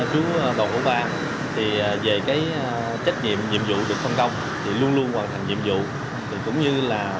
chú bảo bảo ba về trách nhiệm nhiệm vụ được phân công thì luôn luôn hoàn thành nhiệm vụ